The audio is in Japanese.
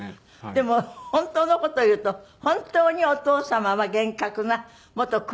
でも本当の事を言うと本当にお父様は厳格な元空軍少佐。